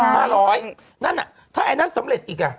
๕๐๐นั้นอ่ะถ้าไอ้นั้นสำเร็จอีก